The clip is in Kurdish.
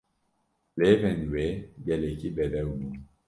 Lêvên wê gelekî bedew bûn.